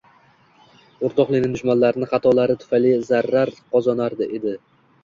O’rtoq Lenin dushmanlarini xatolari tufayli zafar qozonar edi.